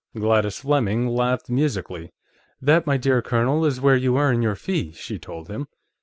Gladys Fleming laughed musically. "That, my dear Colonel, is where you earn your fee," she told him.